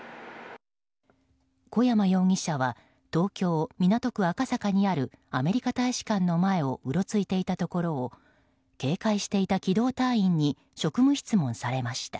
小山容疑者は東京・港区赤坂にあるアメリカ大使館の前をうろついていたところを警戒していた機動隊員に職務質問されました。